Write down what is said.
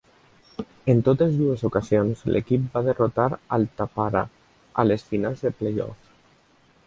En totes dues ocasions, l'equip va derrotar al Tappara a les finals de play-off.